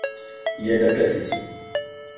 Il y a de la place ici.